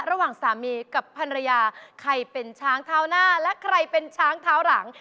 ระหว่างสามีกับภรรยาใครเป็นช้างเท้าหน้าและใครเป็นช้างเท้าหลัง